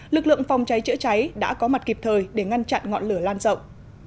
lực lượng phòng cháy chữa cháy đã có mặt kịp thời để ngăn chặn ngọn lửa lan rộng